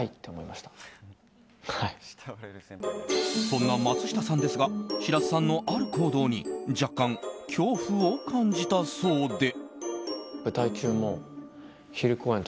そんな松下さんですが白洲さんのある行動に若干、恐怖を感じたそうで。